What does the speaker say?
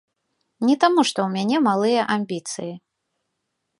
Не таму, што ў мяне малыя амбіцыі.